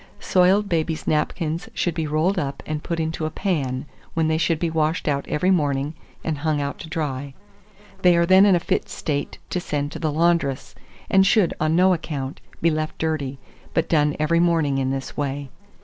Soiled baby's napkins should be rolled up and put into a pan, when they should be washed out every morning, and hung out to dry: they are then in a fit state to send to the laundress; and should, on no account, be left dirty, but done every morning in this way.